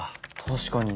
確かに。